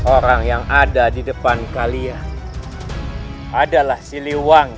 orang yang ada di depan kalian adalah siliwan